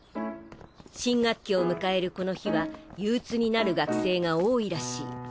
新学期を迎えるこの日は憂鬱になる学生が多いらしい。